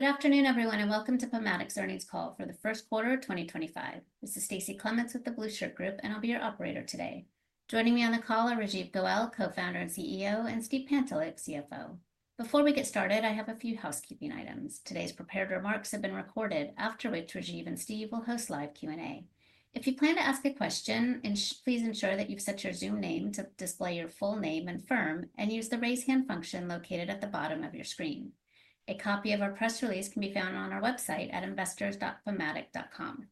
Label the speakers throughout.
Speaker 1: Good afternoon, everyone, and welcome to PubMatic's Earnings Call for the First Quarter of 2025. This is Stacey Clements with the Blue Shirt Group, and I'll be your operator today. Joining me on the call are Rajeev Goel, co-founder and CEO, and Steve Pantelick, CFO. Before we get started, I have a few housekeeping items. Today's prepared remarks have been recorded, after which Rajeev and Steve will host live Q&A. If you plan to ask a question, please ensure that you've set your Zoom name to display your full name and firm, and use the raise hand function located at the bottom of your screen. A copy of our press release can be found on our website at investors.pubmatic.com.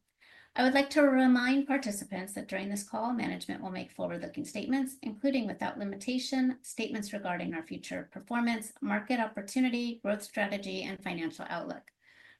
Speaker 1: I would like to remind participants that during this call, management will make forward-looking statements, including without limitation, statements regarding our future performance, market opportunity, growth strategy, and financial outlook.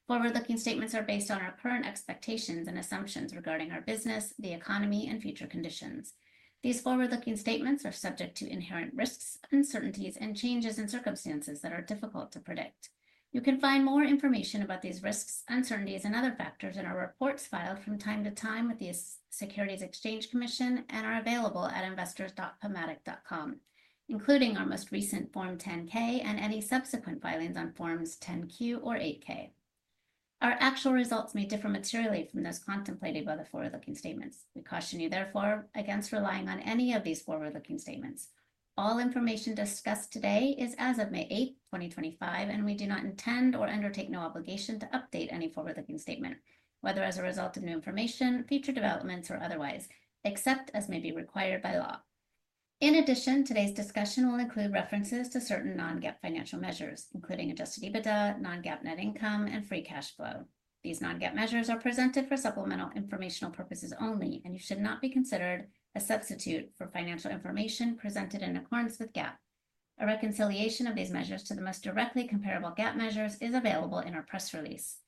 Speaker 1: Forward-looking statements are based on our current expectations and assumptions regarding our business, the economy, and future conditions. These forward-looking statements are subject to inherent risks, uncertainties, and changes in circumstances that are difficult to predict. You can find more information about these risks, uncertainties, and other factors in our reports filed from time to time with the Securities Exchange Commission and are available at investors.pubmatic.com, including our most recent Form 10-K and any subsequent filings on Forms 10-Q or 8-K. Our actual results may differ materially from those contemplated by the forward-looking statements. We caution you, therefore, against relying on any of these forward-looking statements. All information discussed today is as of May 8th, 2025, and we do not intend or undertake any obligation to update any forward-looking statement, whether as a result of new information, future developments, or otherwise, except as may be required by law. In addition, today's discussion will include references to certain non-GAAP financial measures, including Adjusted EBITDA, non-GAAP net income, and free cash flow. These non-GAAP measures are presented for supplemental informational purposes only, and you should not be considered a substitute for financial information presented in accordance with GAAP. A reconciliation of these measures to the most directly comparable GAAP measures is available in our press release.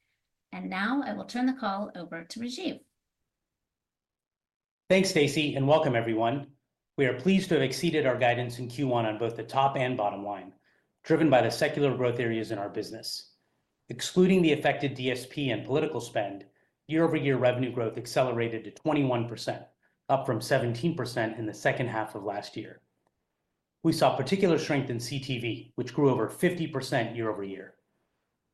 Speaker 1: Now I will turn the call over to Rajeev.
Speaker 2: Thanks, Stacey, and welcome, everyone. We are pleased to have exceeded our guidance in Q1 on both the top and bottom line, driven by the secular growth areas in our business. Excluding the affected DSP and political spend, year-over-year revenue growth accelerated to 21%, up from 17% in the second half of last year. We saw particular strength in CTV, which grew over 50% year-over-year.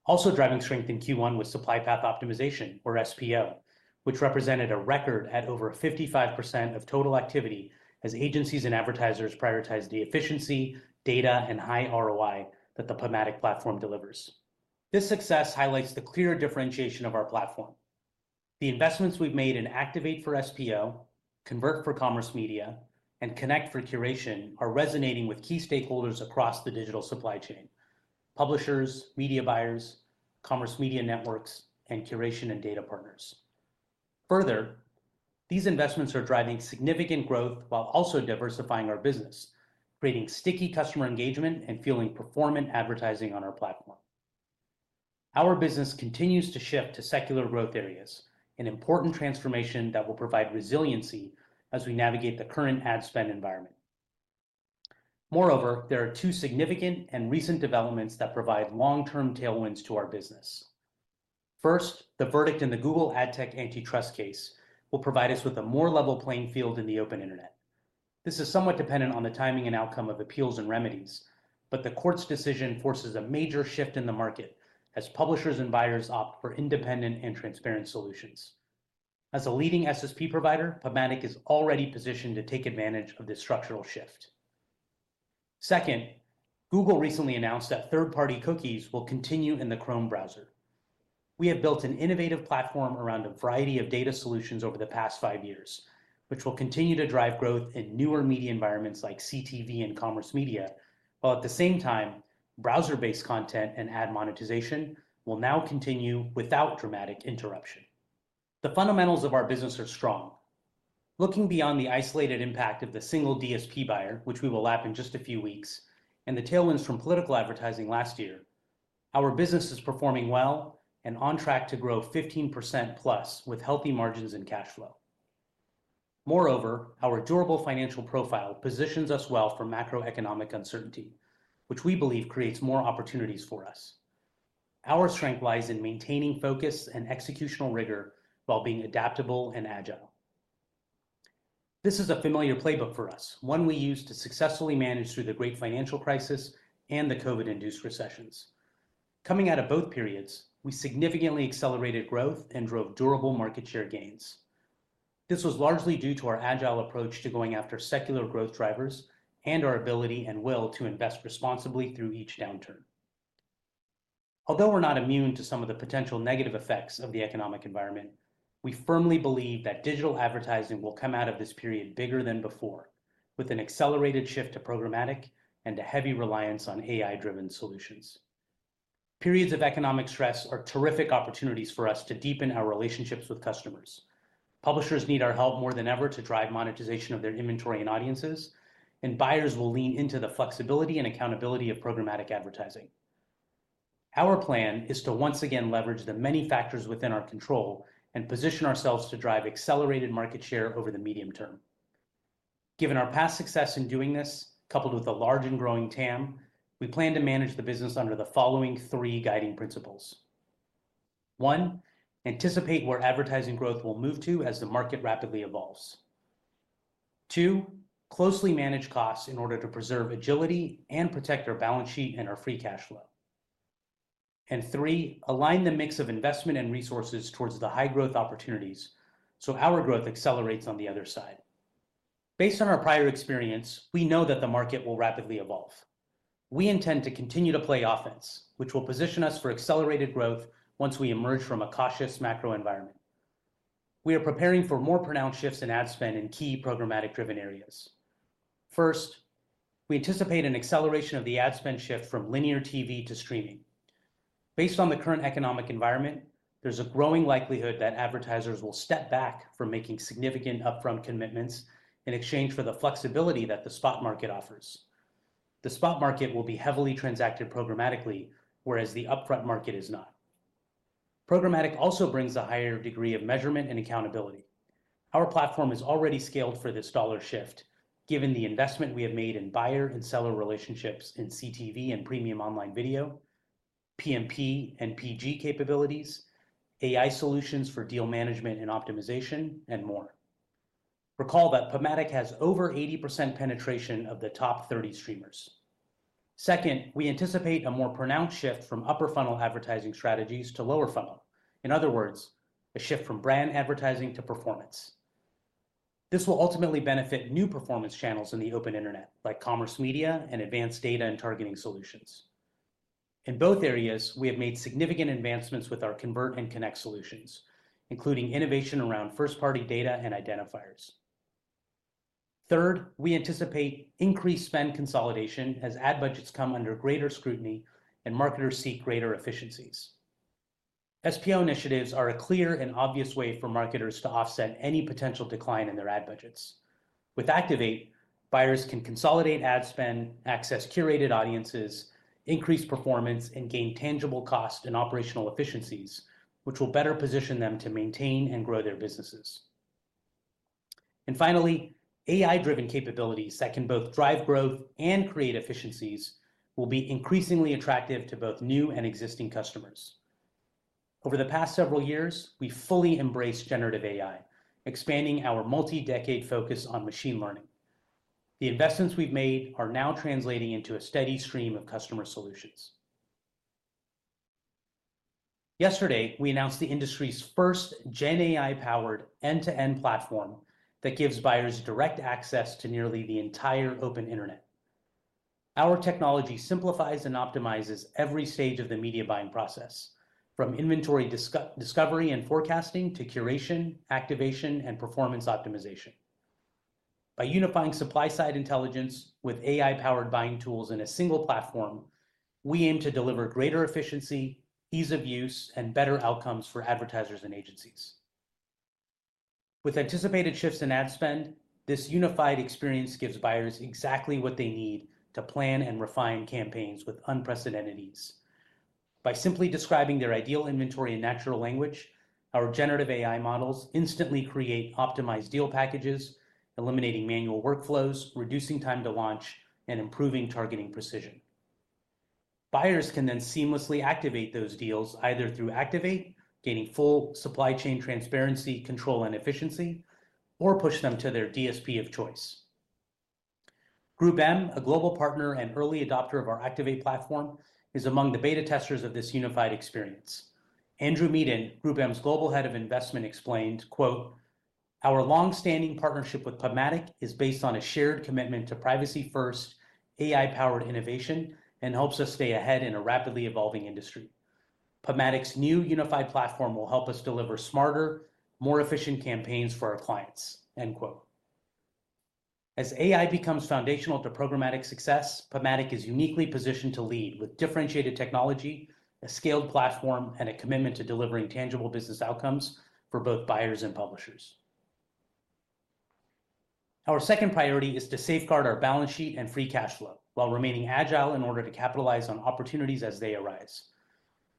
Speaker 2: Also driving strength in Q1 was supply path optimization, or SPO, which represented a record at over 55% of total activity as agencies and advertisers prioritized the efficiency, data, and high ROI that the PubMatic platform delivers. This success highlights the clear differentiation of our platform. The investments we've made in Activate for SPO, Convert for Commerce Media, and Connect for Curation are resonating with key stakeholders across the digital supply chain: publishers, media buyers, commerce media networks, and curation and data partners. Further, these investments are driving significant growth while also diversifying our business, creating sticky customer engagement and fueling performant advertising on our platform. Our business continues to shift to secular growth areas, an important transformation that will provide resiliency as we navigate the current ad spend environment. Moreover, there are two significant and recent developments that provide long-term tailwinds to our business. First, the verdict in the Google AdTech antitrust case will provide us with a more level playing field in the open internet. This is somewhat dependent on the timing and outcome of appeals and remedies, but the court's decision forces a major shift in the market as publishers and buyers opt for independent and transparent solutions. As a leading SSP provider, PubMatic is already positioned to take advantage of this structural shift. Second, Google recently announced that third-party cookies will continue in the Chrome browser. We have built an innovative platform around a variety of data solutions over the past five years, which will continue to drive growth in newer media environments like CTV and commerce media, while at the same time, browser-based content and ad monetization will now continue without dramatic interruption. The fundamentals of our business are strong. Looking beyond the isolated impact of the single DSP buyer, which we will lap in just a few weeks, and the tailwinds from political advertising last year, our business is performing well and on track to grow 15% plus with healthy margins and cash flow. Moreover, our durable financial profile positions us well for macroeconomic uncertainty, which we believe creates more opportunities for us. Our strength lies in maintaining focus and executional rigor while being adaptable and agile. This is a familiar playbook for us, one we used to successfully manage through the great financial crisis and the COVID-induced recessions. Coming out of both periods, we significantly accelerated growth and drove durable market share gains. This was largely due to our agile approach to going after secular growth drivers and our ability and will to invest responsibly through each downturn. Although we're not immune to some of the potential negative effects of the economic environment, we firmly believe that digital advertising will come out of this period bigger than before, with an accelerated shift to programmatic and a heavy reliance on AI-driven solutions. Periods of economic stress are terrific opportunities for us to deepen our relationships with customers. Publishers need our help more than ever to drive monetization of their inventory and audiences, and buyers will lean into the flexibility and accountability of programmatic advertising. Our plan is to once again leverage the many factors within our control and position ourselves to drive accelerated market share over the medium term. Given our past success in doing this, coupled with a large and growing TAM, we plan to manage the business under the following three guiding principles. One, anticipate where advertising growth will move to as the market rapidly evolves. Two, closely manage costs in order to preserve agility and protect our balance sheet and our free cash flow. Three, align the mix of investment and resources towards the high growth opportunities so our growth accelerates on the other side. Based on our prior experience, we know that the market will rapidly evolve. We intend to continue to play offense, which will position us for accelerated growth once we emerge from a cautious macro environment. We are preparing for more pronounced shifts in ad spend in key programmatic-driven areas. First, we anticipate an acceleration of the ad spend shift from linear TV to streaming. Based on the current economic environment, there's a growing likelihood that advertisers will step back from making significant upfront commitments in exchange for the flexibility that the spot market offers. The spot market will be heavily transacted programmatically, whereas the upfront market is not. Programmatic also brings a higher degree of measurement and accountability. Our platform is already scaled for this dollar shift, given the investment we have made in buyer and seller relationships in CTV and premium online video, PMP and PG capabilities, AI solutions for deal management and optimization, and more. Recall that PubMatic has over 80% penetration of the top 30 streamers. Second, we anticipate a more pronounced shift from upper funnel advertising strategies to lower funnel. In other words, a shift from brand advertising to performance. This will ultimately benefit new performance channels in the open internet, like commerce media and advanced data and targeting solutions. In both areas, we have made significant advancements with our Convert and Connect solutions, including innovation around first-party data and identifiers. Third, we anticipate increased spend consolidation as ad budgets come under greater scrutiny and marketers seek greater efficiencies. SPO initiatives are a clear and obvious way for marketers to offset any potential decline in their ad budgets. With Activate, buyers can consolidate ad spend, access curated audiences, increase performance, and gain tangible cost and operational efficiencies, which will better position them to maintain and grow their businesses. Finally, AI-driven capabilities that can both drive growth and create efficiencies will be increasingly attractive to both new and existing customers. Over the past several years, we fully embraced generative AI, expanding our multi-decade focus on machine learning. The investments we've made are now translating into a steady stream of customer solutions. Yesterday, we announced the industry's first GenAI-powered end-to-end platform that gives buyers direct access to nearly the entire open internet. Our technology simplifies and optimizes every stage of the media buying process, from inventory discovery and forecasting to curation, activation, and performance optimization. By unifying supply-side intelligence with AI-powered buying tools in a single platform, we aim to deliver greater efficiency, ease of use, and better outcomes for advertisers and agencies. With anticipated shifts in ad spend, this unified experience gives buyers exactly what they need to plan and refine campaigns with unprecedented ease. By simply describing their ideal inventory in natural language, our generative AI models instantly create optimized deal packages, eliminating manual workflows, reducing time to launch, and improving targeting precision. Buyers can then seamlessly activate those deals either through Activate, gaining full supply chain transparency, control, and efficiency, or push them to their DSP of choice. GroupM, a global partner and early adopter of our Activate platform, is among the beta testers of this unified experience. Andrew Meaden, GroupM's global head of investment, explained, quote, "Our long-standing partnership with PubMatic is based on a shared commitment to privacy-first, AI-powered innovation and helps us stay ahead in a rapidly evolving industry. PubMatic's new unified platform will help us deliver smarter, more efficient campaigns for our clients," end quote. As AI becomes foundational to programmatic success, PubMatic is uniquely positioned to lead with differentiated technology, a scaled platform, and a commitment to delivering tangible business outcomes for both buyers and publishers. Our second priority is to safeguard our balance sheet and free cash flow while remaining agile in order to capitalize on opportunities as they arise.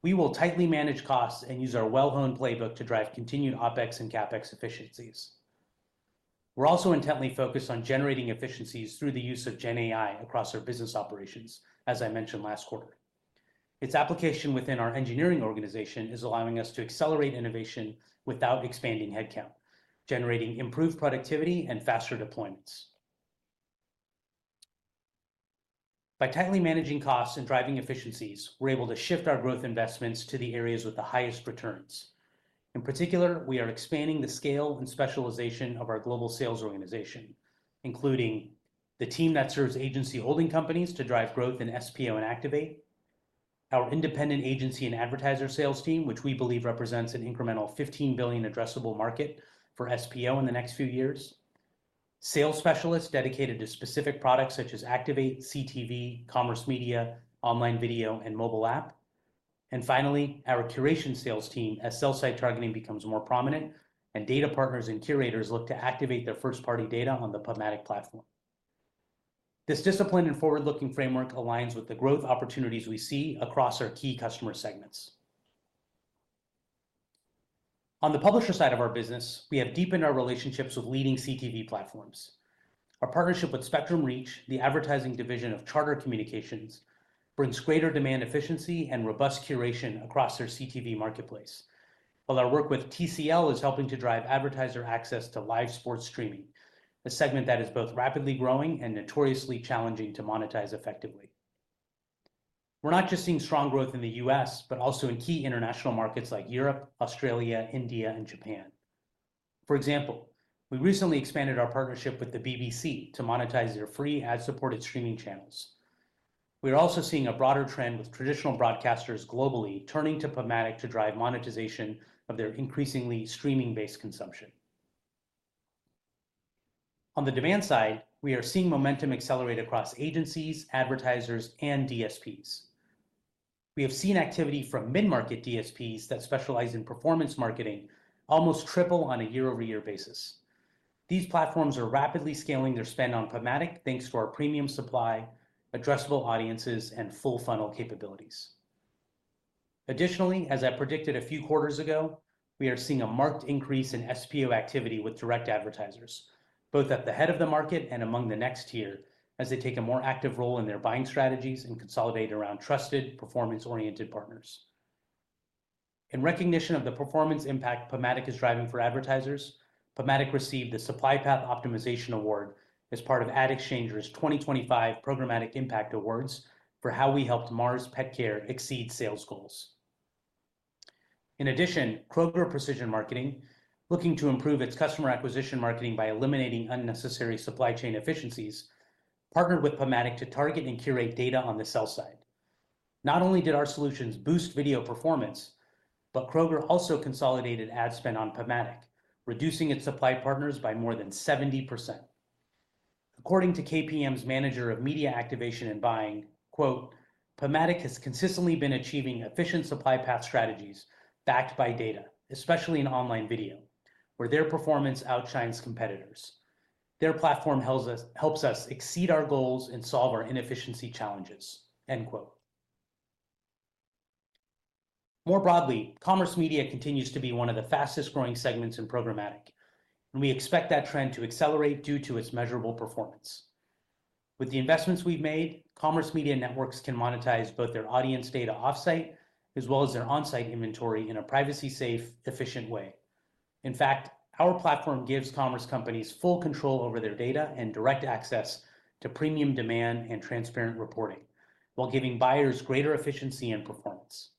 Speaker 2: We will tightly manage costs and use our well-honed playbook to drive continued OpEx and CapEx efficiencies. We're also intently focused on generating efficiencies through the use of GenAI across our business operations, as I mentioned last quarter. Its application within our engineering organization is allowing us to accelerate innovation without expanding headcount, generating improved productivity and faster deployments. By tightly managing costs and driving efficiencies, we're able to shift our growth investments to the areas with the highest returns. In particular, we are expanding the scale and specialization of our global sales organization, including the team that serves Agency Holding Companies to drive growth in SPO and Activate, our independent agency and advertiser sales team, which we believe represents an incremental $15 billion addressable market for SPO in the next few years, sales specialists dedicated to specific products such as Activate, CTV, commerce media, online video, and mobile app, and finally, our curation sales team as sell-side targeting becomes more prominent and data partners and curators look to activate their first-party data on the PubMatic platform. This disciplined and forward-looking framework aligns with the growth opportunities we see across our key customer segments. On the publisher side of our business, we have deepened our relationships with leading CTV platforms. Our partnership with Spectrum Reach, the advertising division of Charter Communications, brings greater demand efficiency and robust curation across their CTV marketplace, while our work with TCL is helping to drive advertiser access to live sports streaming, a segment that is both rapidly growing and notoriously challenging to monetize effectively. We're not just seeing strong growth in the U.S., but also in key international markets like Europe, Australia, India, and Japan. For example, we recently expanded our partnership with the BBC to monetize their free ad-supported streaming channels. We are also seeing a broader trend with traditional broadcasters globally turning to PubMatic to drive monetization of their increasingly streaming-based consumption. On the demand side, we are seeing momentum accelerate across agencies, advertisers, and DSPs. We have seen activity from mid-market DSPs that specialize in performance marketing almost triple on a year-over-year basis. These platforms are rapidly scaling their spend on PubMatic thanks to our premium supply, addressable audiences, and full funnel capabilities. Additionally, as I predicted a few quarters ago, we are seeing a marked increase in SPO activity with direct advertisers, both at the head of the market and among the next tier as they take a more active role in their buying strategies and consolidate around trusted, performance-oriented partners. In recognition of the performance impact PubMatic is driving for advertisers, PubMatic received the Supply Path Optimization Award as part of AdExchanger 2025 Programmatic Impact Awards for how we helped Mars Pet Care exceed sales goals. In addition, Kroger Precision Marketing, looking to improve its customer acquisition marketing by eliminating unnecessary supply chain inefficiencies, partnered with PubMatic to target and curate data on the sell side. Not only did our solutions boost video performance, but Kroger also consolidated ad spend on PubMatic, reducing its supply partners by more than 70%. According to Kroger Precision Marketing's manager of media activation and buying, quote, "PubMatic has consistently been achieving efficient supply path strategies backed by data, especially in online video, where their performance outshines competitors. Their platform helps us exceed our goals and solve our inefficiency challenges," end quote. More broadly, commerce media continues to be one of the fastest-growing segments in programmatic, and we expect that trend to accelerate due to its measurable performance. With the investments we've made, commerce media networks can monetize both their audience data off-site as well as their on-site inventory in a privacy-safe, efficient way. In fact, our platform gives commerce companies full control over their data and direct access to premium demand and transparent reporting, while giving buyers greater efficiency and performance.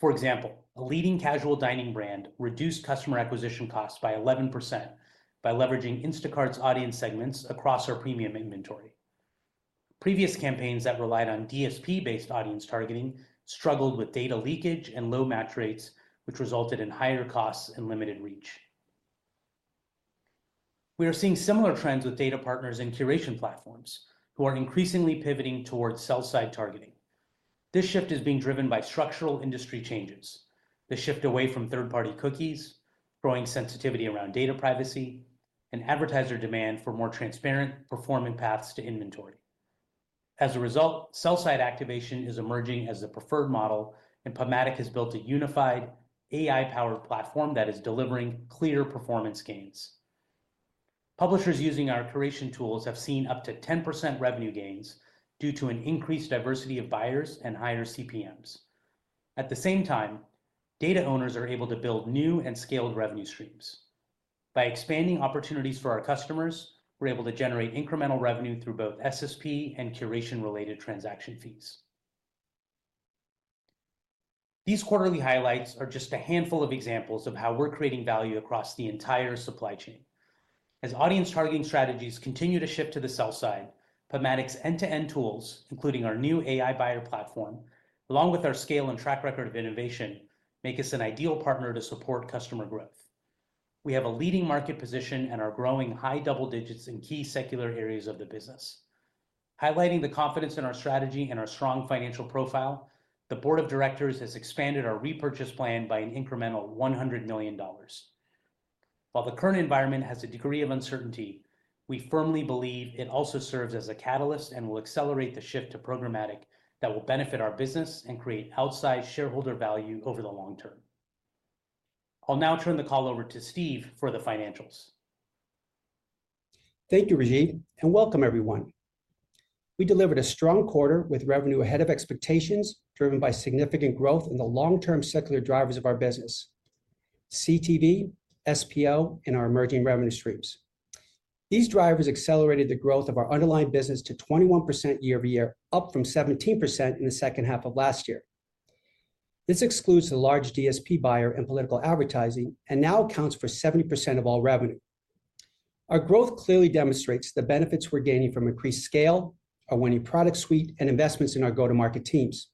Speaker 2: For example, a leading casual dining brand reduced customer acquisition costs by 11% by leveraging Instacart's audience segments across our premium inventory. Previous campaigns that relied on DSP-based audience targeting struggled with data leakage and low match rates, which resulted in higher costs and limited reach. We are seeing similar trends with data partners and curation platforms who are increasingly pivoting towards sell-side targeting. This shift is being driven by structural industry changes, the shift away from third-party cookies, growing sensitivity around data privacy, and advertiser demand for more transparent performance paths to inventory. As a result, sell-side activation is emerging as the preferred model, and PubMatic has built a unified AI-powered platform that is delivering clear performance gains. Publishers using our curation tools have seen up to 10% revenue gains due to an increased diversity of buyers and higher CPMs. At the same time, data owners are able to build new and scaled revenue streams. By expanding opportunities for our customers, we're able to generate incremental revenue through both SSP and curation-related transaction fees. These quarterly highlights are just a handful of examples of how we're creating value across the entire supply chain. As audience targeting strategies continue to shift to the sell side, PubMatic's end-to-end tools, including our new AI buyer platform, along with our scale and track record of innovation, make us an ideal partner to support customer growth. We have a leading market position and are growing high double digits in key secular areas of the business. Highlighting the confidence in our strategy and our strong financial profile, the board of directors has expanded our repurchase plan by an incremental $100 million. While the current environment has a degree of uncertainty, we firmly believe it also serves as a catalyst and will accelerate the shift to programmatic that will benefit our business and create outsized shareholder value over the long term. I'll now turn the call over to Steve for the financials.
Speaker 3: Thank you, Rajeev, and welcome, everyone. We delivered a strong quarter with revenue ahead of expectations, driven by significant growth in the long-term secular drivers of our business: CTV, SPO, and our emerging revenue streams. These drivers accelerated the growth of our underlying business to 21% year-over-year, up from 17% in the second half of last year. This excludes the large DSP buyer and political advertising and now accounts for 70% of all revenue. Our growth clearly demonstrates the benefits we're gaining from increased scale, our winning product suite, and investments in our go-to-market teams.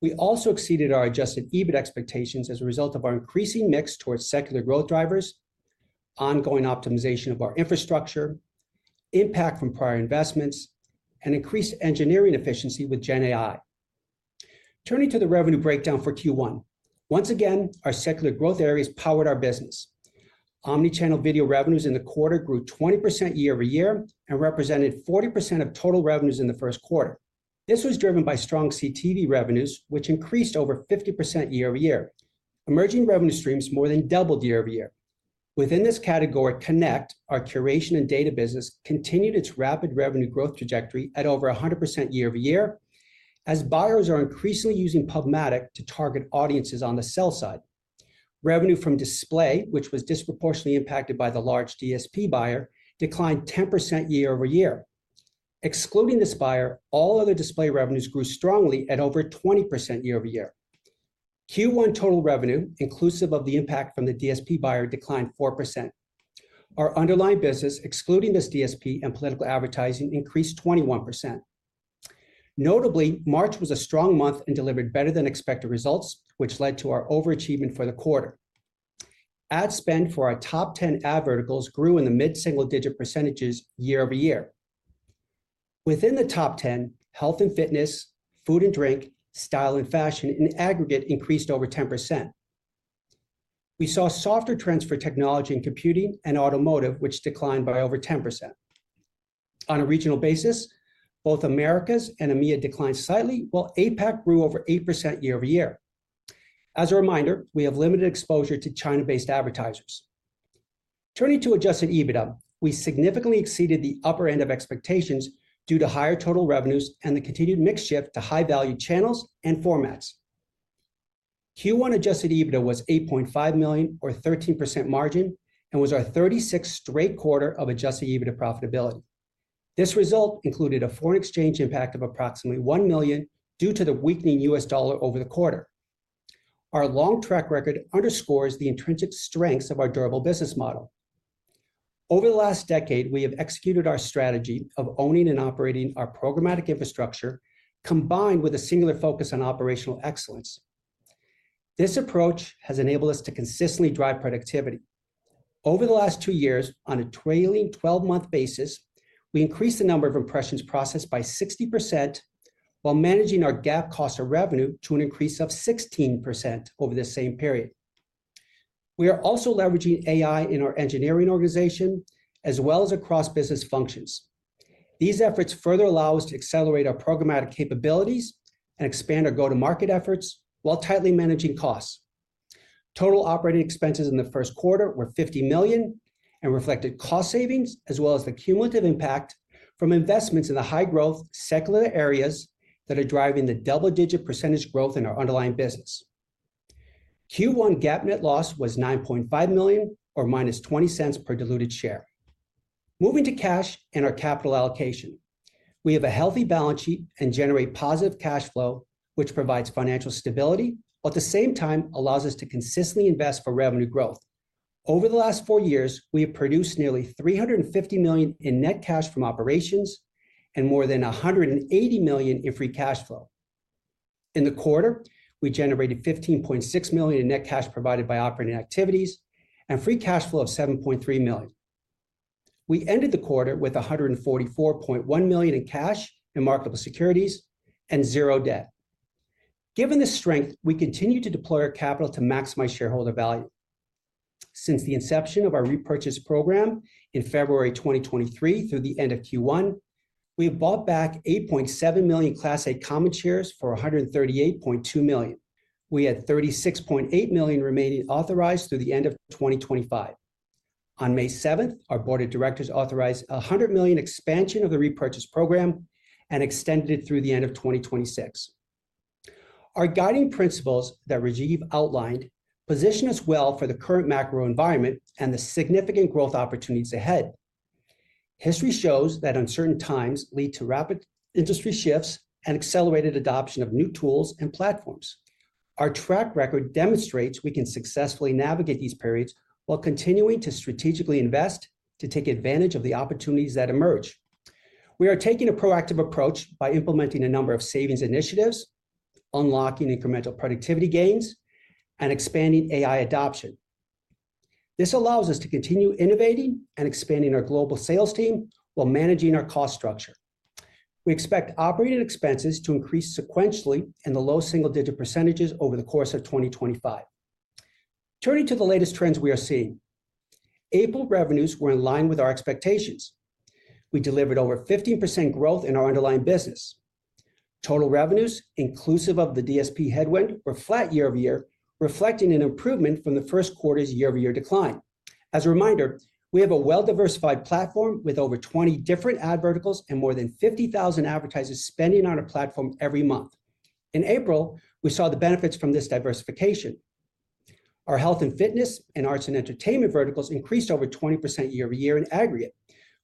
Speaker 3: We also exceeded our Adjusted EBITDA expectations as a result of our increasing mix towards secular growth drivers, ongoing optimization of our infrastructure, impact from prior investments, and increased engineering efficiency with GenAI. Turning to the revenue breakdown for Q1, once again, our secular growth areas powered our business. Omnichannel video revenues in the quarter grew 20% year-over-year and represented 40% of total revenues in the first quarter. This was driven by strong CTV revenues, which increased over 50% year-over-year. Emerging revenue streams more than doubled year-over-year. Within this category, Connect, our curation and data business, continued its rapid revenue growth trajectory at over 100% year-over-year as buyers are increasingly using PubMatic to target audiences on the sell side. Revenue from Display, which was disproportionately impacted by the large DSP buyer, declined 10% year-over-year. Excluding this buyer, all other display revenues grew strongly at over 20% year-over-year. Q1 total revenue, inclusive of the impact from the DSP buyer, declined 4%. Our underlying business, excluding this DSP and political advertising, increased 21%. Notably, March was a strong month and delivered better-than-expected results, which led to our overachievement for the quarter. Ad spend for our top 10 ad verticals grew in the mid-single-digit percentages year-over-year. Within the top 10, health and fitness, food and drink, style and fashion, in aggregate, increased over 10%. We saw softer trends for technology and computing and automotive, which declined by over 10%. On a regional basis, both Americas and EMEA declined slightly, while APAC grew over 8% year-over-year. As a reminder, we have limited exposure to China-based advertisers. Turning to Adjusted EBITDA, we significantly exceeded the upper end of expectations due to higher total revenues and the continued mix shift to high-value channels and formats. Q1 Adjusted EBITDA was $8.5 million, or 13% margin, and was our 36th straight quarter of Adjusted EBITDA profitability. This result included a foreign exchange impact of approximately $1 million due to the weakening U.S. dollar over the quarter. Our long track record underscores the intrinsic strengths of our durable business model. Over the last decade, we have executed our strategy of owning and operating our programmatic infrastructure combined with a singular focus on operational excellence. This approach has enabled us to consistently drive productivity. Over the last two years, on a trailing 12-month basis, we increased the number of impressions processed by 60% while managing our GAAP cost of revenue to an increase of 16% over the same period. We are also leveraging AI in our engineering organization as well as across business functions. These efforts further allow us to accelerate our programmatic capabilities and expand our go-to-market efforts while tightly managing costs. Total operating expenses in the first quarter were $50 million and reflected cost savings as well as the cumulative impact from investments in the high-growth secular areas that are driving the double-digit % growth in our underlying business. Q1 GAAP net loss was $9.5 million, or minus $0.20 per diluted share. Moving to cash and our capital allocation, we have a healthy balance sheet and generate positive cash flow, which provides financial stability while at the same time allows us to consistently invest for revenue growth. Over the last four years, we have produced nearly $350 million in net cash from operations and more than $180 million in free cash flow. In the quarter, we generated $15.6 million in net cash provided by operating activities and free cash flow of $7.3 million. We ended the quarter with $144.1 million in cash, in marketable securities, and zero debt. Given the strength, we continue to deploy our capital to maximize shareholder value. Since the inception of our repurchase program in February 2023 through the end of Q1, we have bought back 8.7 million Class A common shares for $138.2 million. We had $36.8 million remaining authorized through the end of 2025. On May 7th, our board of directors authorized $100 million expansion of the repurchase program and extended it through the end of 2026. Our guiding principles that Rajeev outlined position us well for the current macro environment and the significant growth opportunities ahead. History shows that uncertain times lead to rapid industry shifts and accelerated adoption of new tools and platforms. Our track record demonstrates we can successfully navigate these periods while continuing to strategically invest to take advantage of the opportunities that emerge. We are taking a proactive approach by implementing a number of savings initiatives, unlocking incremental productivity gains, and expanding AI adoption. This allows us to continue innovating and expanding our global sales team while managing our cost structure. We expect operating expenses to increase sequentially in the low single-digit % over the course of 2025. Turning to the latest trends we are seeing, April revenues were in line with our expectations. We delivered over 15% growth in our underlying business. Total revenues, inclusive of the DSP headwind, were flat year-over-year, reflecting an improvement from the first quarter's year-over-year decline. As a reminder, we have a well-diversified platform with over 20 different ad verticals and more than 50,000 advertisers spending on our platform every month. In April, we saw the benefits from this diversification. Our health and fitness and arts and entertainment verticals increased over 20% year-over-year in aggregate,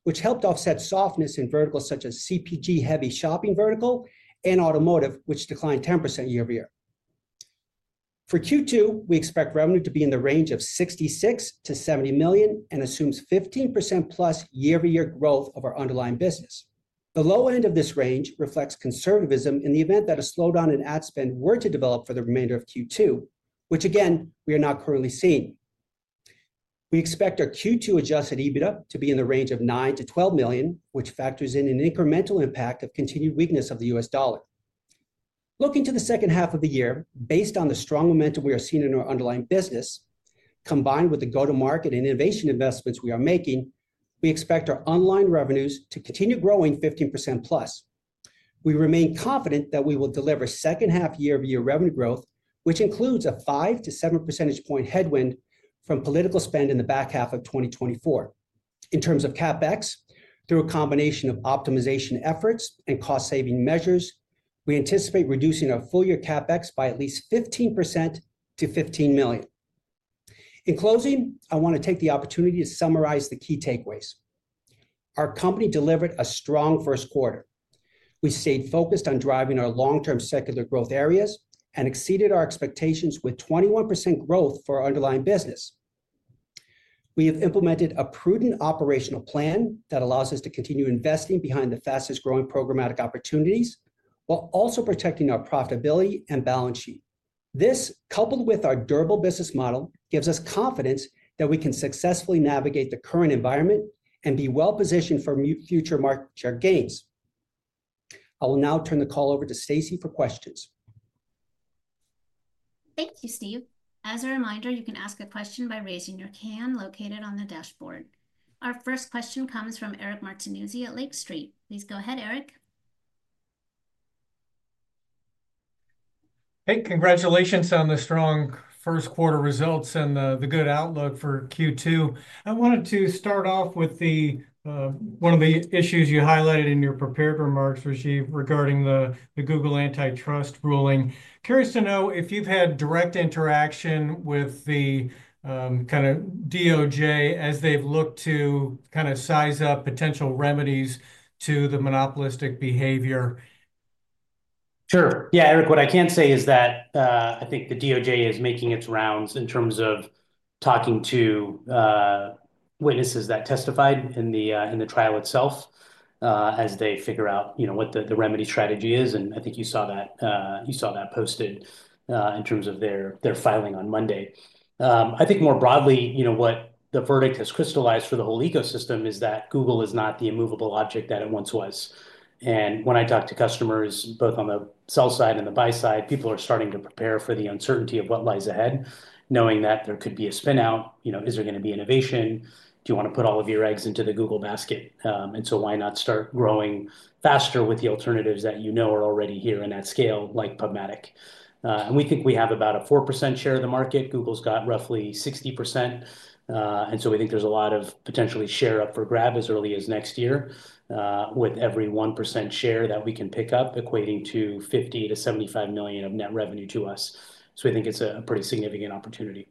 Speaker 3: which helped offset softness in verticals such as CPG-heavy shopping vertical and automotive, which declined 10% year-over-year. For Q2, we expect revenue to be in the range of $66-$70 million and assumes 15%+ year-over-year growth of our underlying business. The low end of this range reflects conservatism in the event that a slowdown in ad spend were to develop for the remainder of Q2, which, again, we are not currently seeing. We expect our Q2 Adjusted EBITDA to be in the range of $9-$12 million, which factors in an incremental impact of continued weakness of the U.S. dollar. Looking to the second half of the year, based on the strong momentum we are seeing in our underlying business, combined with the go-to-market and innovation investments we are making, we expect our underlying revenues to continue growing 15% plus. We remain confident that we will deliver second-half year-over-year revenue growth, which includes a 5-7 percentage point headwind from political spend in the back half of 2024. In terms of CapEx, through a combination of optimization efforts and cost-saving measures, we anticipate reducing our full-year CapEx by at least 15% to $15 million. In closing, I want to take the opportunity to summarize the key takeaways. Our company delivered a strong first quarter. We stayed focused on driving our long-term secular growth areas and exceeded our expectations with 21% growth for our underlying business. We have implemented a prudent operational plan that allows us to continue investing behind the fastest-growing programmatic opportunities while also protecting our profitability and balance sheet. This, coupled with our durable business model, gives us confidence that we can successfully navigate the current environment and be well-positioned for future market share gains. I will now turn the call over to Stacey for questions.
Speaker 1: Thank you, Steve. As a reminder, you can ask a question by raising your hand located on the dashboard. Our first question comes from Eric Martinuzzi at Lake Street. Please go ahead, Eric.
Speaker 4: Hey, congratulations on the strong first quarter results and the good outlook for Q2. I wanted to start off with one of the issues you highlighted in your prepared remarks, Rajeev, regarding the Google antitrust ruling. Curious to know if you've had direct interaction with the DOJ as they've looked to kind of size up potential remedies to the monopolistic behavior.
Speaker 2: Sure. Yeah, Eric, what I can say is that I think the DOJ is making its rounds in terms of talking to witnesses that testified in the trial itself as they figure out what the remedy strategy is. I think you saw that posted in terms of their filing on Monday. I think more broadly, what the verdict has crystallized for the whole ecosystem is that Google is not the immovable object that it once was. When I talk to customers, both on the sell side and the buy side, people are starting to prepare for the uncertainty of what lies ahead, knowing that there could be a spinout. Is there going to be innovation? Do you want to put all of your eggs into the Google basket? Why not start growing faster with the alternatives that you know are already here and at scale, like PubMatic? We think we have about a 4% share of the market. Google's got roughly 60%. We think there's a lot of potential share up for grab as early as next year, with every 1% share that we can pick up equating to $50 million-$75 million of net revenue to us. We think it's a pretty significant opportunity.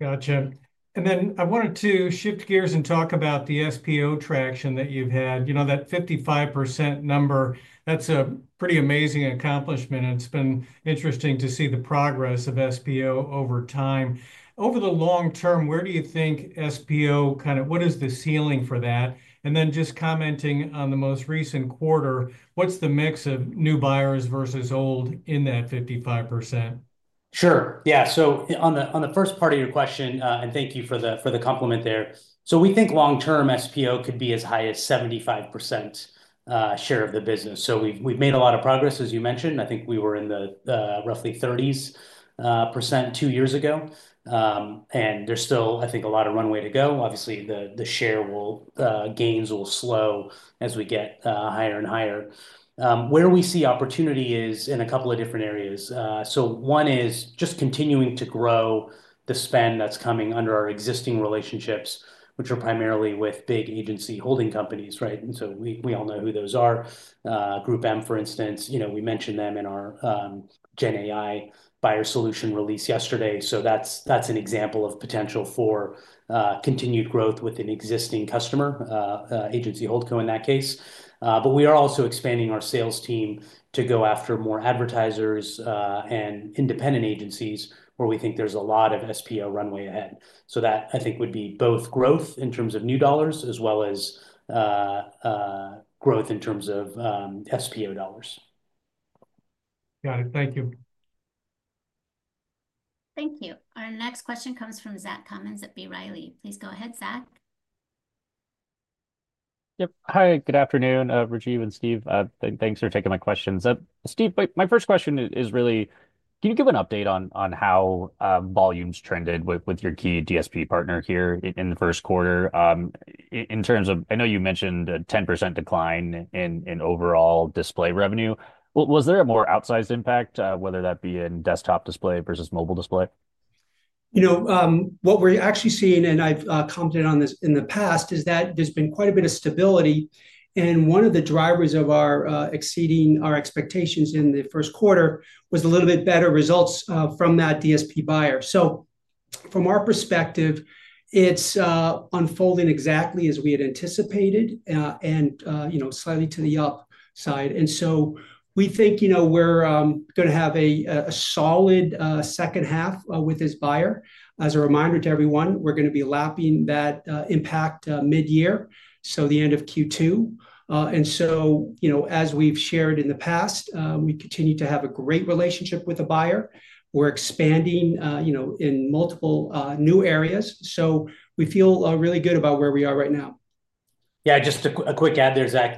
Speaker 4: Gotcha. I wanted to shift gears and talk about the SPO traction that you've had. That 55% number, that's a pretty amazing accomplishment. It's been interesting to see the progress of SPO over time. Over the long term, where do you think SPO kind of what is the ceiling for that? Just commenting on the most recent quarter, what's the mix of new buyers versus old in that 55%?
Speaker 2: Sure. Yeah. On the first part of your question, and thank you for the compliment there. We think long-term SPO could be as high as 75% share of the business. We've made a lot of progress, as you mentioned. I think we were in the roughly 30% two years ago. There's still, I think, a lot of runway to go. Obviously, the share gains will slow as we get higher and higher. Where we see opportunity is in a couple of different areas. One is just continuing to grow the spend that's coming under our existing relationships, which are primarily with big Agency Holding Companies, right? We all know who those are. GroupM, for instance, we mentioned them in our GenAI buyer solution release yesterday. That is an example of potential for continued growth with an existing customer, agency holdco in that case. We are also expanding our sales team to go after more advertisers and independent agencies where we think there is a lot of SPO runway ahead. That, I think, would be both growth in terms of new dollars as well as growth in terms of SPO dollars.
Speaker 4: Got it. Thank you.
Speaker 1: Thank you. Our next question comes from Zach Cummins at B. Riley. Please go ahead, Zach.
Speaker 5: Yep. Hi, good afternoon, Rajeev and Steve. Thanks for taking my questions. Steve, my first question is really, can you give an update on how volumes trended with your key DSP partner here in the first quarter in terms of I know you mentioned a 10% decline in overall display revenue. Was there a more outsized impact, whether that be in desktop display versus mobile display?
Speaker 3: You know what we're actually seeing, and I've commented on this in the past, is that there's been quite a bit of stability. One of the drivers of our exceeding our expectations in the first quarter was a little bit better results from that DSP buyer. From our perspective, it's unfolding exactly as we had anticipated and slightly to the upside. We think we're going to have a solid second half with this buyer. As a reminder to everyone, we're going to be lapping that impact mid-year, so the end of Q2. As we've shared in the past, we continue to have a great relationship with the buyer. We're expanding in multiple new areas. We feel really good about where we are right now.
Speaker 2: Yeah, just a quick add there, Zach.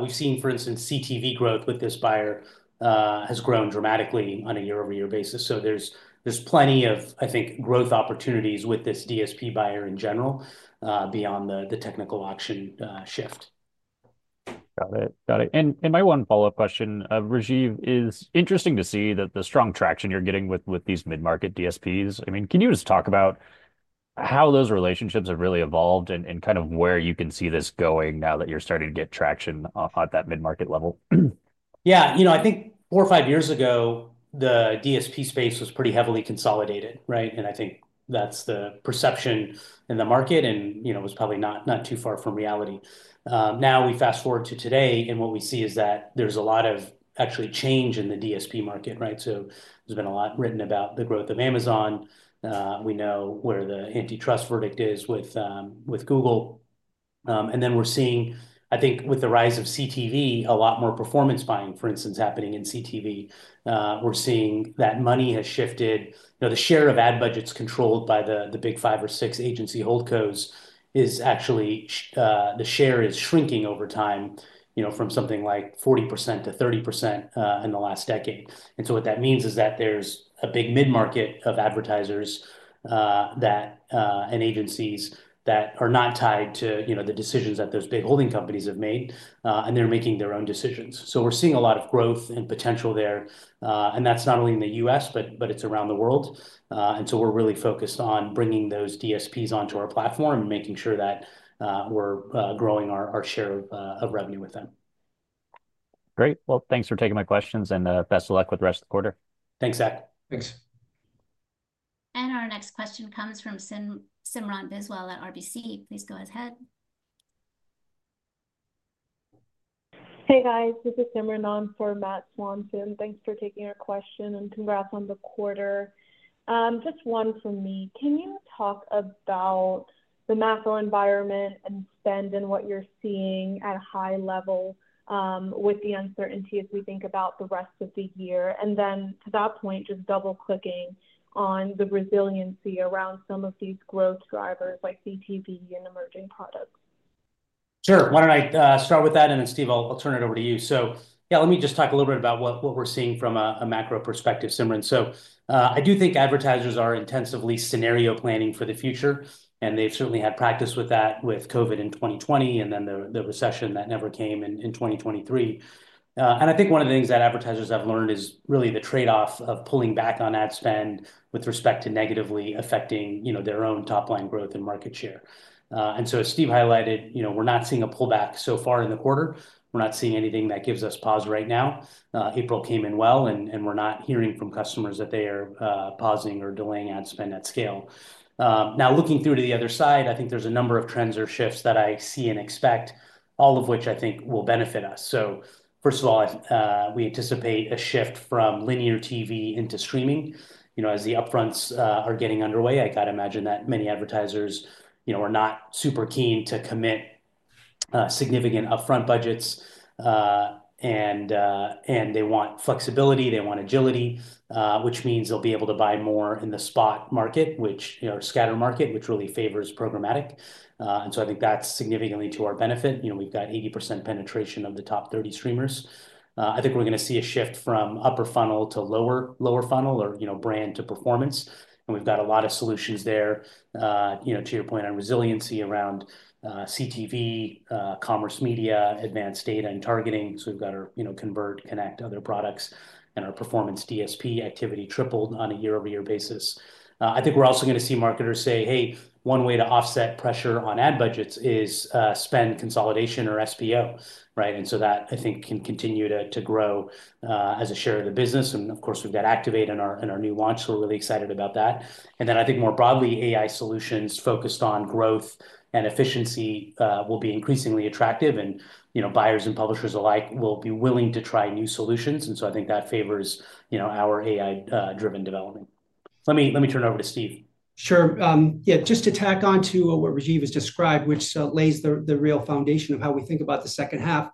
Speaker 2: We've seen, for instance, CTV growth with this buyer has grown dramatically on a year-over-year basis. There is plenty of, I think, growth opportunities with this DSP buyer in general beyond the technical auction shift.
Speaker 5: Got it. Got it. My one follow-up question, Rajeev, is interesting to see that the strong traction you're getting with these mid-market DSPs. I mean, can you just talk about how those relationships have really evolved and kind of where you can see this going now that you're starting to get traction at that mid-market level?
Speaker 2: Yeah. You know, I think four or five years ago, the DSP space was pretty heavily consolidated, right? I think that's the perception in the market and was probably not too far from reality. Now we fast forward to today, and what we see is that there's a lot of actually change in the DSP market, right? There's been a lot written about the growth of Amazon. We know where the antitrust verdict is with Google. We're seeing, I think, with the rise of CTV, a lot more performance buying, for instance, happening in CTV. We're seeing that money has shifted. The share of ad budgets controlled by the big five or six agency holdcos is actually shrinking over time from something like 40% to 30% in the last decade. What that means is that there's a big mid-market of advertisers and agencies that are not tied to the decisions that those big holding companies have made, and they're making their own decisions. We're seeing a lot of growth and potential there. That's not only in the U.S., but it's around the world. We are really focused on bringing those DSPs onto our platform and making sure that we are growing our share of revenue with them.
Speaker 5: Thanks for taking my questions and best of luck with the rest of the quarter.
Speaker 2: Thanks, Zach.
Speaker 5: Thanks.
Speaker 1: Our next question comes from Simran Biswal at RBC. Please go ahead.
Speaker 6: Hey, guys. This is Simran on for Matt Swanson. Thanks for taking our question and congrats on the quarter. Just one from me. Can you talk about the macro environment and spend and what you are seeing at a high level with the uncertainty as we think about the rest of the year? To that point, just double-clicking on the resiliency around some of these growth drivers like CTV and emerging products. Sure. Why don't I start with that?
Speaker 2: Steve, I'll turn it over to you. Yeah, let me just talk a little bit about what we're seeing from a macro perspective, Simran. I do think advertisers are intensively scenario planning for the future. They've certainly had practice with that with COVID in 2020 and then the recession that never came in 2023. I think one of the things that advertisers have learned is really the trade-off of pulling back on ad spend with respect to negatively affecting their own top-line growth and market share. As Steve highlighted, we're not seeing a pullback so far in the quarter. We're not seeing anything that gives us pause right now. April came in well, and we're not hearing from customers that they are pausing or delaying ad spend at scale. Now, looking through to the other side, I think there's a number of trends or shifts that I see and expect, all of which I think will benefit us. First of all, we anticipate a shift from linear TV into streaming. As the upfronts are getting underway, I got to imagine that many advertisers are not super keen to commit significant upfront budgets. They want flexibility. They want agility, which means they'll be able to buy more in the spot market, which scatter market, which really favors programmatic. I think that's significantly to our benefit. We've got 80% penetration of the top 30 streamers. I think we're going to see a shift from upper funnel to lower funnel or brand to performance. We've got a lot of solutions there. To your point on resiliency around CTV, commerce, media, advanced data, and targeting. We've got our Convert, Connect, other products, and our performance DSP activity tripled on a year-over-year basis. I think we're also going to see marketers say, "Hey, one way to offset pressure on ad budgets is spend consolidation or SPO," right? That, I think, can continue to grow as a share of the business. Of course, we've got Activate in our new launch, so we're really excited about that. I think more broadly, AI solutions focused on growth and efficiency will be increasingly attractive. Buyers and publishers alike will be willing to try new solutions. I think that favors our AI-driven development. Let me turn it over to Steve.
Speaker 3: Sure. Yeah, just to tack on to what Rajeev has described, which lays the real foundation of how we think about the second half.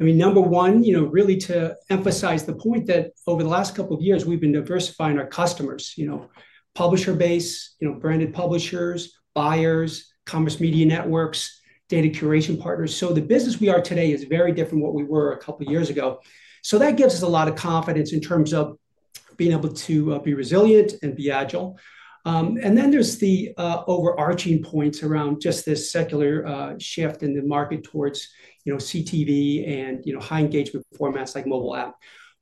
Speaker 3: I mean, number one, really to emphasize the point that over the last couple of years, we've been diversifying our customers: publisher base, branded publishers, buyers, commerce, media networks, data curation partners. The business we are today is very different from what we were a couple of years ago. That gives us a lot of confidence in terms of being able to be resilient and be agile. There is the overarching point around just this secular shift in the market towards CTV and high-engagement formats like mobile app,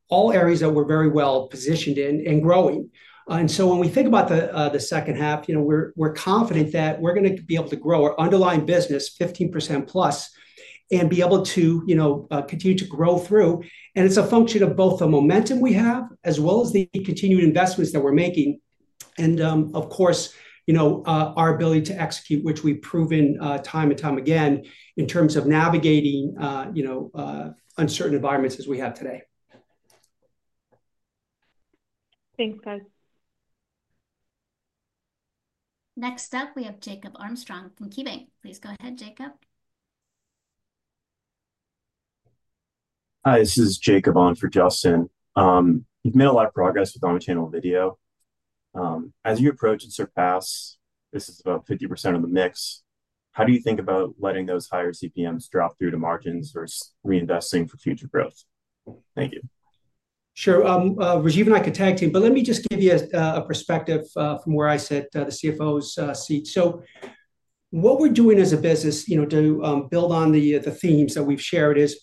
Speaker 3: all areas that we're very well positioned in and growing. When we think about the second half, we're confident that we're going to be able to grow our underlying business 15% plus and be able to continue to grow through. It is a function of both the momentum we have as well as the continued investments that we're making. Of course, our ability to execute, which we've proven time and time again in terms of navigating uncertain environments as we have today.
Speaker 6: Thanks, guys.
Speaker 1: Next up, we have Jacob Armstrong from KeyBanc. Please go ahead, Jacob.
Speaker 7: Hi, this is Jacob on for Justin. You've made a lot of progress with omnichannel video. As you approach and surpass, this is about 50% of the mix. How do you think about letting those higher CPMs drop through to margins versus reinvesting for future growth?
Speaker 3: Thank you. Sure. Rajeev and I could tag team, but let me just give you a perspective from where I sit, the CFO's seat. What we're doing as a business to build on the themes that we've shared is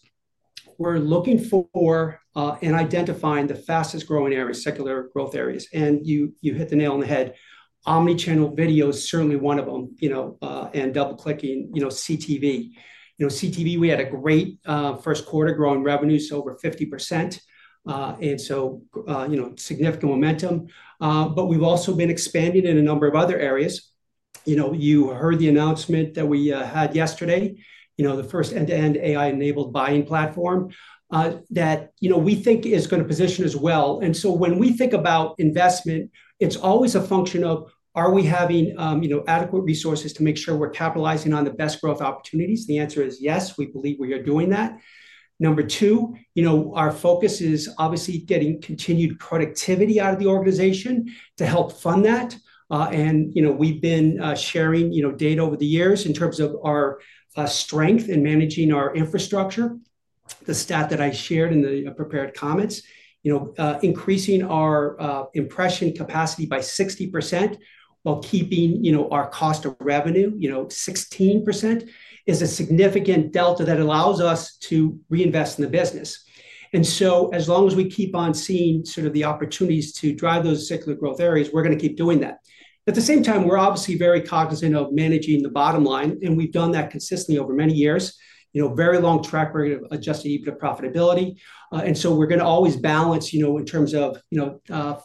Speaker 3: we're looking for and identifying the fastest-growing areas, secular growth areas. You hit the nail on the head. Omnichannel video is certainly one of them. Double-clicking CTV. CTV, we had a great first quarter growing revenues over 50%. Significant momentum. We've also been expanding in a number of other areas. You heard the announcement that we had yesterday, the first end-to-end AI-enabled buying platform that we think is going to position us well. When we think about investment, it's always a function of, are we having adequate resources to make sure we're capitalizing on the best growth opportunities? The answer is yes. We believe we are doing that. Number two, our focus is obviously getting continued productivity out of the organization to help fund that. We have been sharing data over the years in terms of our strength in managing our infrastructure. The stat that I shared in the prepared comments, increasing our impression capacity by 60% while keeping our cost of revenue at 16%, is a significant delta that allows us to reinvest in the business. As long as we keep on seeing sort of the opportunities to drive those secular growth areas, we are going to keep doing that. At the same time, we are obviously very cognizant of managing the bottom line. We have done that consistently over many years. Very long track record of Adjusted EBITDA profitability. We are going to always balance in terms of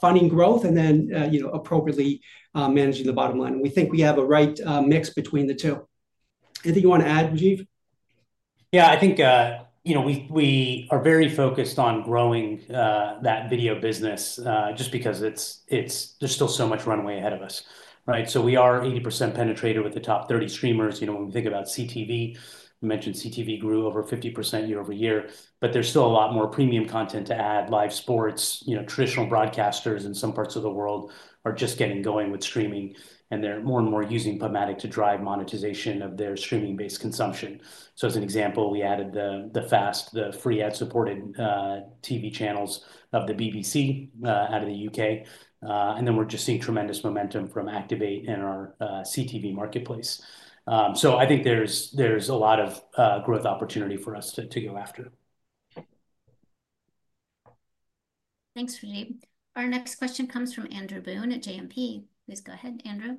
Speaker 3: funding growth and then appropriately managing the bottom line. We think we have a right mix between the two. Anything you want to add, Rajeev?
Speaker 2: Yeah, I think we are very focused on growing that video business just because there's still so much runway ahead of us, right? We are 80% penetrated with the top 30 streamers. When we think about CTV, we mentioned CTV grew over 50% year over year. There's still a lot more premium content to add. Live sports, traditional broadcasters in some parts of the world are just getting going with streaming. They are more and more using PubMatic to drive monetization of their streaming-based consumption. As an example, we added the fast, the free ad-supported TV channels of the BBC out of the U.K. We are just seeing tremendous momentum from Activate in our CTV marketplace. I think there's a lot of growth opportunity for us to go after.
Speaker 1: Thanks, Rajeev. Our next question comes from Andrew Boone at JMP. Please go ahead, Andrew.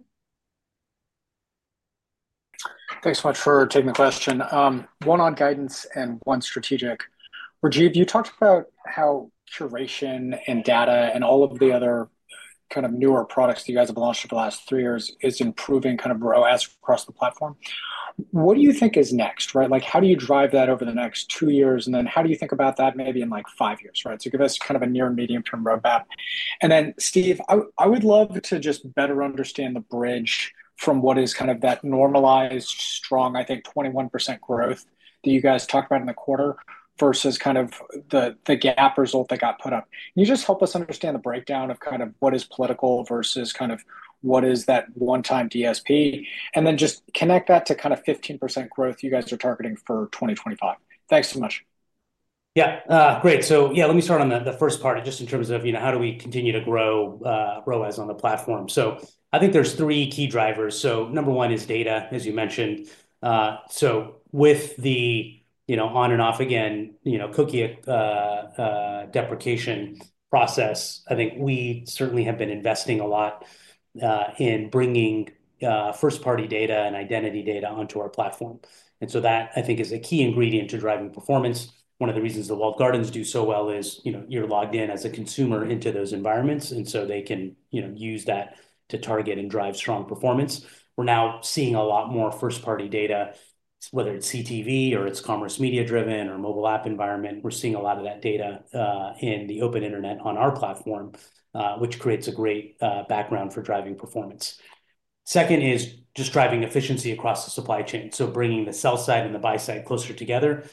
Speaker 8: Thanks so much for taking the question. One on guidance and one strategic. Rajeev, you talked about how curation and data and all of the other kind of newer products that you guys have launched over the last three years is improving kind of row across the platform. What do you think is next, right? How do you drive that over the next two years? How do you think about that maybe in like five years, right? Give us kind of a near-medium-term roadmap. Steve, I would love to just better understand the bridge from what is kind of that normalized strong, I think, 21% growth that you guys talked about in the quarter versus kind of the GAAP result that got put up. Can you just help us understand the breakdown of kind of what is political versus kind of what is that one-time DSP? And then just connect that to kind of 15% growth you guys are targeting for 2025.
Speaker 2: Thanks so much. Yeah. Great. So yeah, let me start on the first part just in terms of how do we continue to grow as on the platform. I think there's three key drivers. Number one is data, as you mentioned. With the on and off again, cookie deprecation process, I think we certainly have been investing a lot in bringing first-party data and identity data onto our platform. That, I think, is a key ingredient to driving performance. One of the reasons the walled gardens do so well is you're logged in as a consumer into those environments. They can use that to target and drive strong performance. We're now seeing a lot more first-party data, whether it's CTV or it's commerce media-driven or mobile app environment. We're seeing a lot of that data in the open internet on our platform, which creates a great background for driving performance. Second is just driving efficiency across the supply chain. Bringing the sell side and the buy side closer together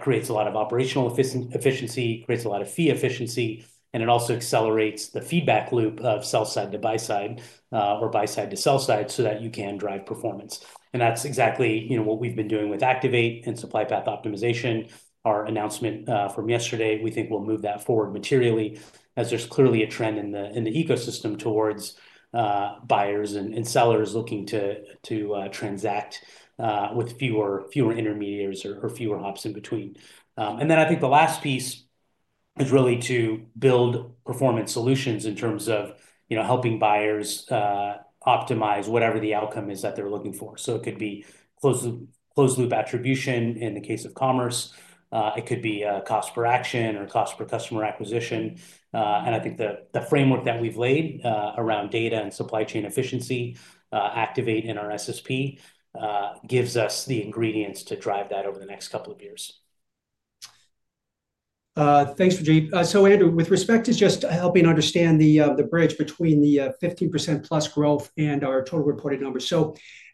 Speaker 2: creates a lot of operational efficiency, creates a lot of fee efficiency, and it also accelerates the feedback loop of sell side to buy side or buy side to sell side so that you can drive performance. That's exactly what we've been doing with Activate and supply path optimization. Our announcement from yesterday, we think we'll move that forward materially as there's clearly a trend in the ecosystem towards buyers and sellers looking to transact with fewer intermediaries or fewer hops in between. I think the last piece is really to build performance solutions in terms of helping buyers optimize whatever the outcome is that they're looking for. It could be closed-loop attribution in the case of commerce. It could be cost per action or cost per customer acquisition. I think the framework that we've laid around data and supply chain efficiency, Activate and our SSP gives us the ingredients to drive that over the next couple of years.
Speaker 3: Thanks, Rajeev. Andrew, with respect to just helping understand the bridge between the 15%+ growth and our total reported numbers.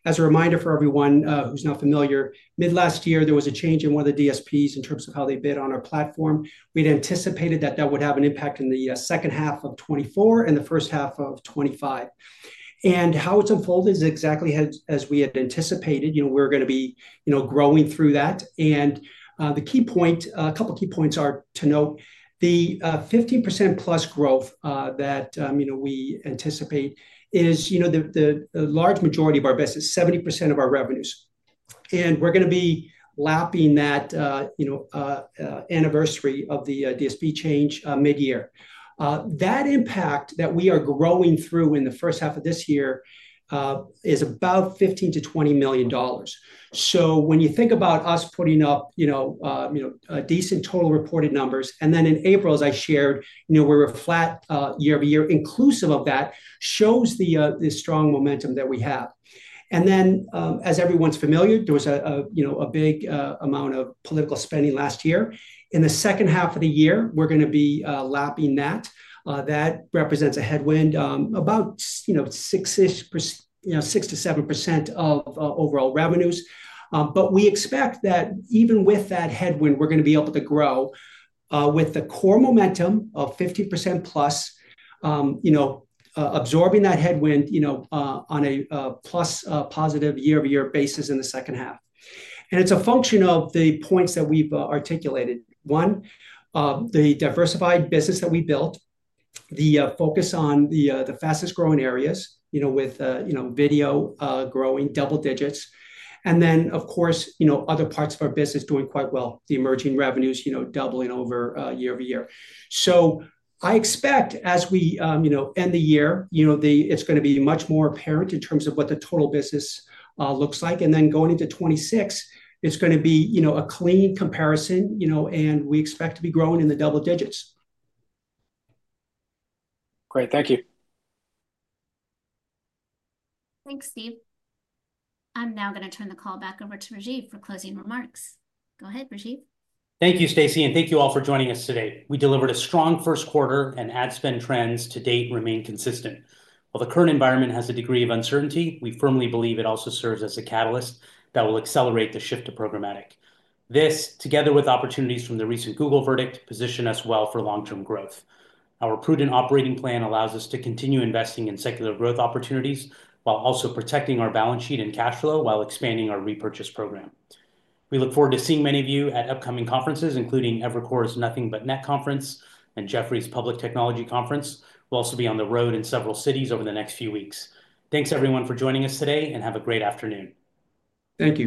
Speaker 3: As a reminder for everyone who's not familiar, mid-last year, there was a change in one of the DSPs in terms of how they bid on our platform. We'd anticipated that that would have an impact in the second half of 2024 and the first half of 2025. How it's unfolded is exactly as we had anticipated. We're going to be growing through that. The key point, a couple of key points are to note. The 15%+ growth that we anticipate is the large majority of our business, 70% of our revenues. We're going to be lapping that anniversary of the DSP change mid-year. That impact that we are growing through in the first half of this year is about $15-$20 million. When you think about us putting up decent total reported numbers, and then in April, as I shared, we were flat year-over-year inclusive of that, it shows the strong momentum that we have. As everyone's familiar, there was a big amount of political spending last year. In the second half of the year, we're going to be lapping that. That represents a headwind, about 6-7% of overall revenues. We expect that even with that headwind, we're going to be able to grow with the core momentum of 15% plus, absorbing that headwind on a positive year-over-year basis in the second half. It's a function of the points that we've articulated. One, the diversified business that we built, the focus on the fastest-growing areas with video growing double digits. Of course, other parts of our business are doing quite well, the emerging revenues doubling year-over-year. I expect as we end the year, it is going to be much more apparent in terms of what the total business looks like. Going into 2026, it is going to be a clean comparison, and we expect to be growing in the double digits.
Speaker 8: Great. Thank you.
Speaker 1: Thanks, Steve. I am now going to turn the call back over to Rajeev for closing remarks. Go ahead, Rajeev.
Speaker 2: Thank you, Stacey, and thank you all for joining us today. We delivered a strong first quarter, and ad spend trends to date remain consistent. While the current environment has a degree of uncertainty, we firmly believe it also serves as a catalyst that will accelerate the shift to programmatic. This, together with opportunities from the recent Google verdict, positions us well for long-term growth. Our prudent operating plan allows us to continue investing in secular growth opportunities while also protecting our balance sheet and cash flow while expanding our repurchase program. We look forward to seeing many of you at upcoming conferences, including Evercore's Nothing but Net Conference and Jefferies Public Technology Conference. We'll also be on the road in several cities over the next few weeks. Thanks, everyone, for joining us today, and have a great afternoon.
Speaker 3: Thank you.